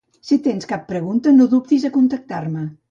Si tens cap pregunta, no dubtis a contactar-me.